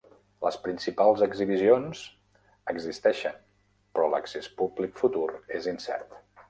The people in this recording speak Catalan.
Les principals exhibicions existeixen, però l'accés públic futur és incert.